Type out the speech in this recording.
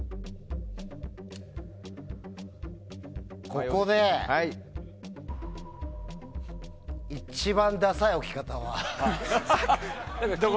ここで一番ダサい置き方は。